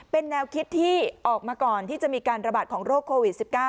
เป็นแนวคิดที่ออกมาก่อนที่จะมีการระบาดของโรคโควิด๑๙